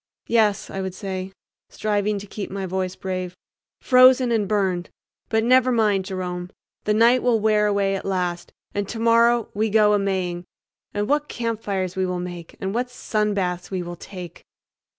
"Yes," I would say, striving to keep my voice brave, "frozen and burned; but never mind, Jerome, the night will wear away at last, and tomorrow we go a Maying, and what campfires we will make, and what sunbaths we will take!"